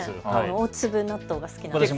大粒納豆が好きです。